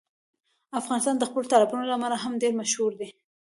افغانستان د خپلو تالابونو له امله هم ډېر مشهور دی.